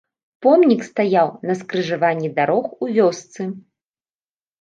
Помнік стаяў на скрыжаванні дарог у вёсцы.